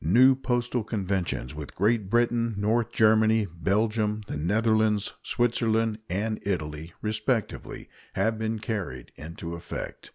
New postal conventions with Great Britain, North Germany, Belgium, the Netherlands, Switzerland, and Italy, respectively, have been carried into effect.